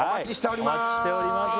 お待ちしております